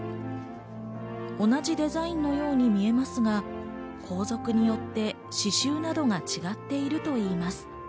同じデザインのように見えますが、皇族によって刺繍などが違っているといいます。